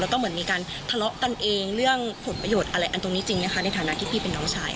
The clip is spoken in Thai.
แล้วก็เหมือนมีการทะเลาะกันเองเรื่องผลประโยชน์อะไรอันตรงนี้จริงไหมคะในฐานะที่พี่เป็นน้องชาย